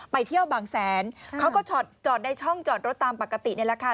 ไปเที่ยวบางแสนเขาก็จอดในช่องจอดรถตามปกตินี่แหละค่ะ